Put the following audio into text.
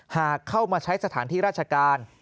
หากเข้ามาใช้สถานที่ราชการ